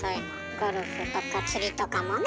ゴルフとか釣りとかもね。